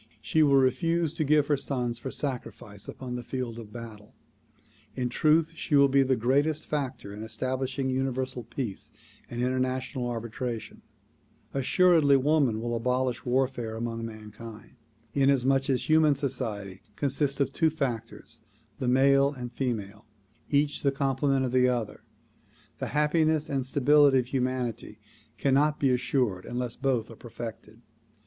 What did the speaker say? She will refuse to give her sons for sacrifice upon the field of battle. In truth she will be the greatest factor in establishing Universal Peace and international arbitration. Assuredly woman will abolish warfare among mankind. Inasmuch as human society consists of two factors, the male and female, each the complement of the other, the happiness and stability of hu manity cannot be assured unless both are perfected.